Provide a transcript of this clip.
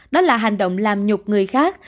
đó là hành động làm nhục người khác